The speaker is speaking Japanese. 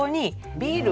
ビール？